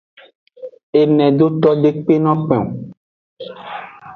Engedoto de kpenno eng o.